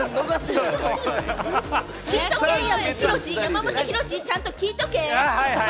山本博、ちゃんと聞いとけ！